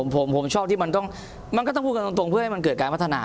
ผมชอบที่มันก็ต้องพูดกันตรงเพื่อให้มันเกิดการพัฒนา